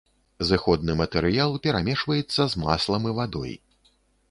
Зыходны матэрыял перамешваецца з маслам і вадой.